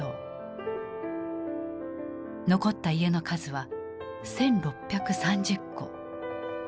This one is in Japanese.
残った家の数は１，６３０戸。